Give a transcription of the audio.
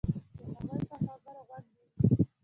د هغوی پر خبرو غوږ نیوی.